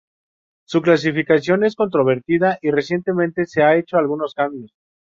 Su clasificación es controvertida y recientemente se han hecho algunos cambios.